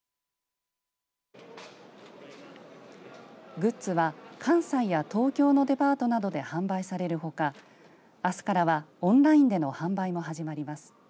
グッズは関西や東京のデパートなどで販売されるほかあすからはオンラインでの販売も始まります。